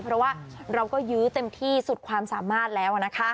เพราะว่าเราก็ยื้อเต็มที่สุดความสามารถแล้ว